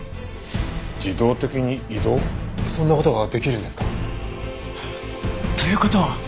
そんな事ができるんですか？という事は。